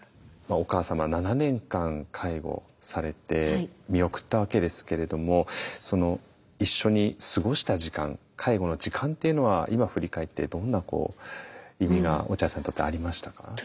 まあお母様７年間介護されて見送ったわけですけれども一緒に過ごした時間介護の時間っていうのは今振り返ってどんな意味が落合さんにとってありましたか？